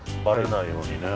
ばれないように。